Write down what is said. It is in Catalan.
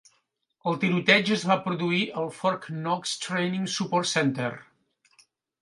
El tiroteig es va produir al Fort Knox's Training Support Center.